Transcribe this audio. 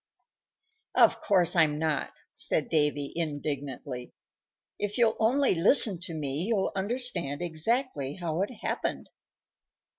"Of course I'm not," said Davy, indignantly. "If you'll only listen to me you'll understand exactly how it happened."